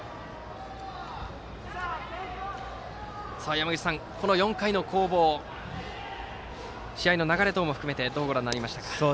山口さん、この４回の攻防試合の流れ等も含めてどうご覧になりましたか。